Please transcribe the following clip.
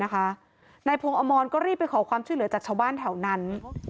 นายพงศ์อมรก็รีบไปขอความช่วยเหลือจากชาวบ้านแถวนั้น